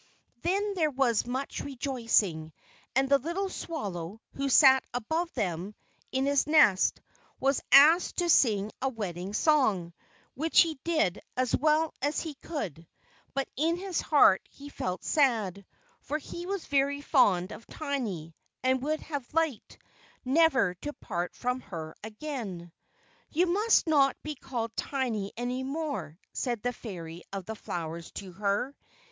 Then there was much rejoicing, and the little swallow, who sat above them, in his nest, was asked to sing a wedding song, which he did as well as he could; but in his heart he felt sad, for he was very fond of Tiny, and would have liked never to part from her again. "You must not be called Tiny any more," said the Fairy of the flowers to her.